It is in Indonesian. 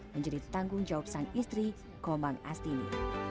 menjadi tanggung jawab sang istri komang astini